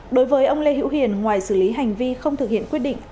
đối với ông lê hữu hiền ngoài xử lý hành vi không thực hiện quyết định